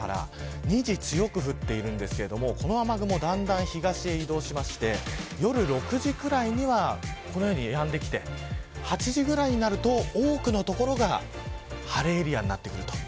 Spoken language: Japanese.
午後２時ごろから強く降っているんですがこの雨雲、だんだん東へ移動して夜６時くらいにはこのようにやんできて８時ぐらいになると多くの所が晴れエリアになってくる。